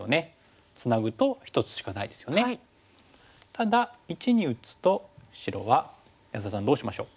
ただ①に打つと白は安田さんどうしましょう？